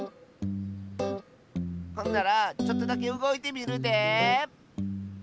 ほんならちょっとだけうごいてみるで！